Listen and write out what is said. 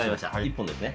１本ですね。